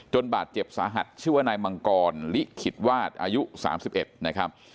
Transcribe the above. จนบาดเจ็บสาหัสชื่อว่นายมังกรลิขิดวาสอายุสามสิบเอ็ดนะครับ